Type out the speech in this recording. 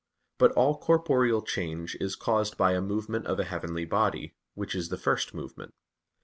But all corporeal change is caused by a movement of a heavenly body, which is the first movement.